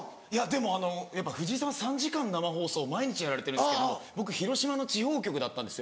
でも藤井さんは３時間生放送を毎日やられてるんですけども僕広島の地方局だったんですよ。